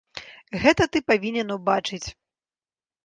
Гэта ты павінен убачыць.